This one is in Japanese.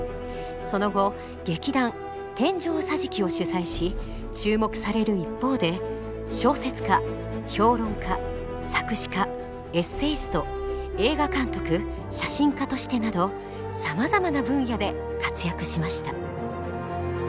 その後劇団「天井桟敷」を主宰し注目される一方で小説家評論家作詞家エッセイスト映画監督写真家としてなどさまざまな分野で活躍しました。